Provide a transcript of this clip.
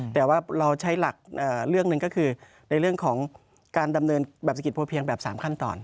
แต่ว่าเราใช้หลักเรื่องหนึ่งก็คือในเรื่องของการดำเนินแบบเศรษฐกิจพอเพียงแบบ๓ขั้นตอน